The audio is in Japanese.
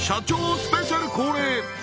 スペシャル恒例